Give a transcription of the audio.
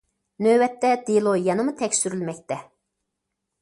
نۆۋەتتە دېلو يەنىمۇ تەكشۈرۈلمەكتە.